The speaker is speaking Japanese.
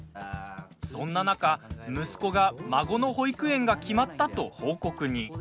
そんな中、息子が孫の保育園が決まったと報告に。